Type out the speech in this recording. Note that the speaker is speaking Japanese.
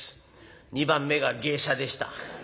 ２番目が芸者でした。